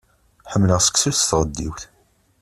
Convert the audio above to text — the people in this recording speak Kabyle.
Ḥemmleɣ seksu s tɣeddiwt.